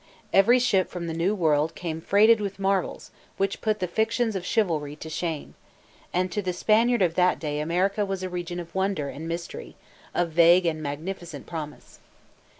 Every ship from the New World came freighted with marvels which put the fictions of chivalry to shame; and to the Spaniard of that day America was a region of wonder and mystery, of vague and magnificent promise.